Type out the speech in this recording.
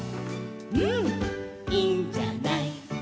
「うん、いいんじゃない」